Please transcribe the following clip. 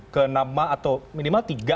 ke nama atau minimal tiga